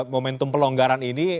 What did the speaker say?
momentum pelonggaran ini